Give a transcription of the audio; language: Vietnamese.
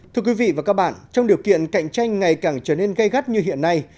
thưa quý vị và các bạn trong điều kiện cạnh tranh ngày càng trở nên gây gắt như hiện nay